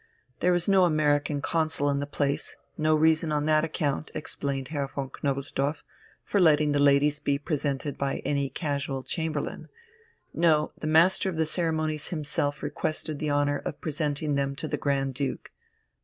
There was no American Consul in the place no reason on that account, explained Herr von Knobelsdorff, for letting the ladies be presented by any casual chamberlain; no, the Master of the Ceremonies himself requested the honour of presenting them to the Grand Duke.